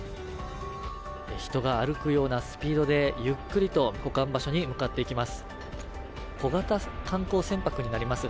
人が歩くようなスピードでゆっくりと保管場所に向かっていきます。